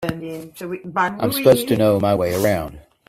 I'm supposed to know my way around.